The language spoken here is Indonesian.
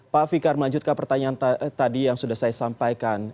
pak fikar melanjutkan pertanyaan tadi yang sudah saya sampaikan